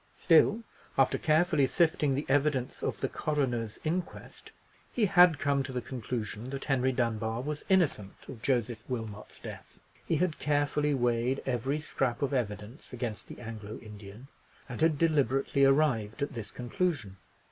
Still, after carefully sifting the evidence of the coroner's inquest, he had come to the conclusion that Henry Dunbar was innocent of Joseph Wilmot's death. He had carefully weighed every scrap of evidence against the Anglo Indian; and had deliberately arrived at this conclusion.